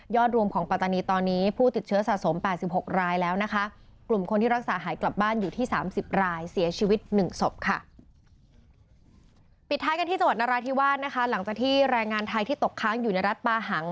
ยอดรวมของปัตตานีตอนนี้ผู้ติดเชื้อสะสม๘๖รายแล้วนะคะกลุ่มคนที่รักษาหายกลับบ้านอยู่ที่๓๐รายเสียชีวิต๑ศพค่ะ